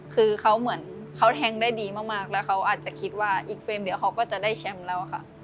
คือเขาเหมือนเขาแทงได้ดีมากแล้วเขาอาจจะคิดว่าอีกเฟรมเดี๋ยวเขาก็จะได้แชมป์แล้วค่ะ